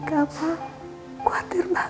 kamu harus sembuh